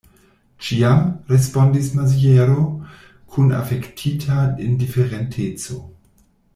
Ĉiam, respondis Maziero kun afektita indiferenteco.